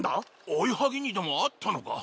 追いぎにでも遭ったのか？